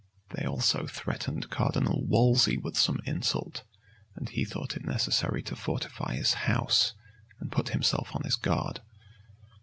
They also threatened Cardinal Wolsey with some insult; and he thought it necessary to fortify his house, and put himself on his guard.